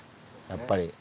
やっぱり。